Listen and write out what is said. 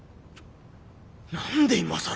何で今更！